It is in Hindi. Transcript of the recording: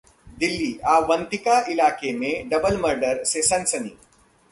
दिल्लीः अवंतिका इलाके में डबल मर्डर से सनसनी